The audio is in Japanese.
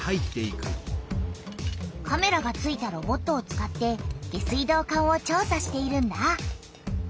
カメラがついたロボットを使って下水道管を調さしているんだ。